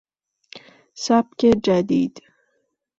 سبک جدید